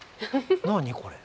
何これ？